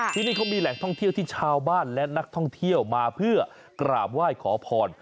ที่นี่เขามีแหล่งท่องเที่ยวที่ชาวบ้านและนักท่องเที่ยวมาเพื่อกราบไหว้ขอพร